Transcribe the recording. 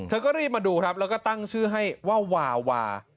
ก็รีบมาดูครับแล้วก็ตั้งชื่อให้ว่าวาวา